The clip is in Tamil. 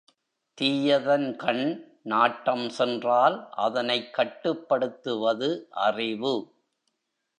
தீயதன்கண் நாட்டம் சென்றால் அதனைக் கட்டுப்படுத்துவது அறிவு.